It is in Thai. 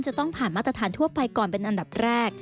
จะต้องผ่านมาตรฐานทั่วไปก่อนเป็นอันดับแรก